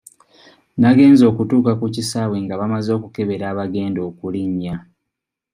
Nagenze okutuuka ku kisaawe nga bamaze okukebera abagenda okulinnya.